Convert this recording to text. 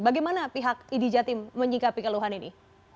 bagaimana pihak idi jatim menyikapi keluhan ini